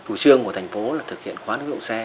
thủ trương của thành phố là thực hiện khoán dùng xe